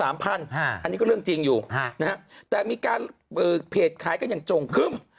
อันนี้ก็เรื่องจริงอยู่นะฮะแต่มีการเพจขายกันอย่างจงครึ่ม